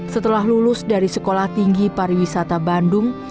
setelah lulus dari sekolah tinggi pariwisata bandung